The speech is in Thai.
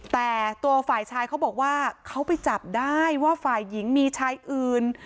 แต่ตัวฝ่ายชายเขาบอกว่าเขาไปจับได้ว่าฝ่ายหญิงมีชายอื่น